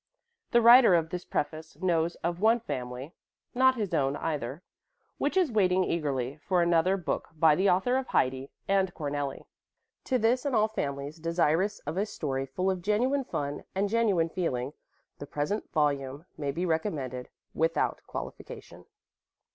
The writer of this preface knows of one family not his own, either which is waiting eagerly for another book by the author of "Heidi" and "Cornelli." To this and all families desirous of a story full of genuine fun and genuine feeling the present volume may be recommended without qualification.